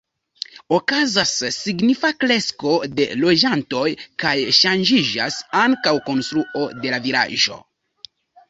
Okazas signifa kresko de loĝantoj kaj ŝanĝiĝas ankaŭ konstruo de la vilaĝo.